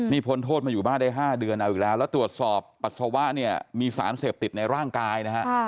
นี่พ้นโทษมาอยู่บ้านได้๕เดือนเอาอีกแล้วแล้วตรวจสอบปัสสาวะเนี่ยมีสารเสพติดในร่างกายนะฮะ